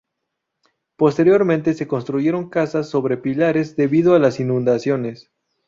Posteriormente se construyeron casas sobre pilares debido a las inundaciones.